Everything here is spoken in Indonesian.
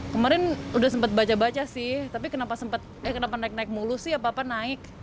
kemarin udah sempat baca baca sih tapi kenapa naik naik mulu sih apa apa naik